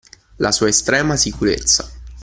La sua estrema sicurezza